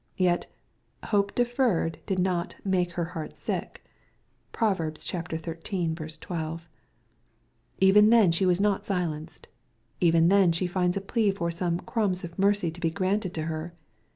Yet " hope deferred" did not '* make her heart sick." (Prov. xiii. 12.) Even then she was not silenced. Even then she finds a plea for some " crumbs" of mercy to be granted to her.